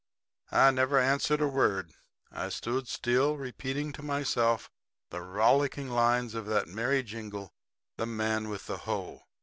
"I never answered a word. I stood still, repeating to myself the rollicking lines of that merry jingle, 'The Man with the Hoe.'